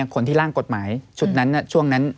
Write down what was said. คนที่ร่างกฎหมายชุดนั้นช่วงนั้น